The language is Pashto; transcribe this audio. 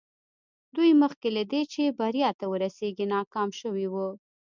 دوی مخکې له دې چې بريا ته ورسېږي ناکام شوي وو.